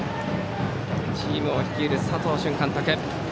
チームを率いる佐藤俊監督。